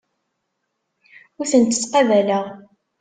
Ur tent-ttqabaleɣ.